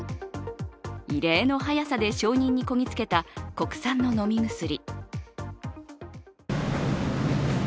異例の早さで承認にこぎ着けた国産の飲み薬。